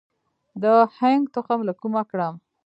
د هنګ تخم له کومه کړم؟